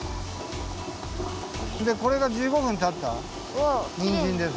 これが１５分たったにんじんです。